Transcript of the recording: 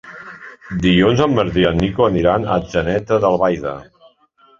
Dilluns en Martí i en Nico aniran a Atzeneta d'Albaida.